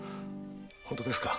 本当ですか？